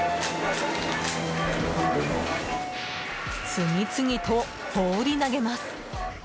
次々と放り投げます。